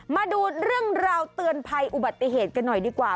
มาดูเรื่องราวเตือนภัยอุบัติเหตุกันหน่อยดีกว่า